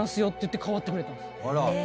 代わってくれたんです。